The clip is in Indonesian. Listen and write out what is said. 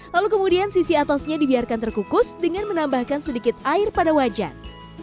lalu kemudian sisi atasnya dibiarkan terkukus dengan menambahkan sedikit air pada wajan